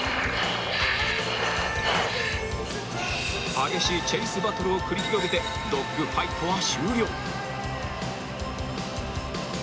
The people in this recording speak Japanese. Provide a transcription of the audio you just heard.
［激しいチェイスバトルを繰り広げてドッグファイトは終了］